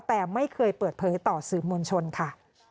แต่ไม่เคยเปิดเผยต่อสื่อมวลชนค่ะ